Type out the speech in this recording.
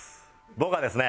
僕はですね